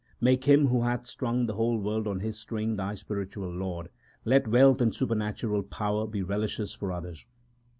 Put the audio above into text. Make Him who hath strung the whole world on His string thy spiritual Lord ; let wealth and supernatural power be relishes for others.